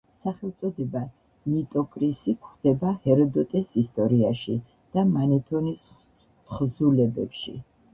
სახელწოდება ნიტოკრისი გვხვდება ჰეროდოტეს ისტორიაში და მანეთონის თხზულებებში.